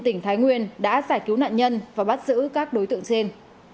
tỉnh thái nguyên đã giải cứu nạn nhân và bắt giữ các đối tượng trên